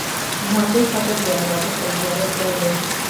په همدې خاطر د عبادت او زیارت ځای دی.